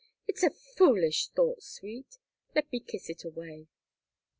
"It's a foolish thought, sweet! Let me kiss it away."